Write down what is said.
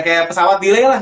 kayak pesawat delayed lah